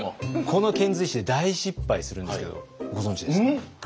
この遣隋使で大失敗するんですけどご存じですかね？